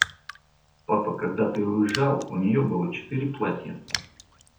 Папа, когда ты уезжал, у нее было четыре платья.